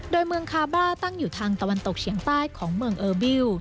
โดยเมืองคาบ้าตั้งอยู่ทางตะวันตกเฉียงใต้ของเมืองเออร์บิล